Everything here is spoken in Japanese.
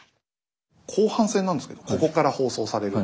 後半戦なんですけどここから放送される。